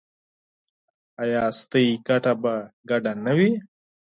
ایا ستاسو ګټه به ګډه نه وي؟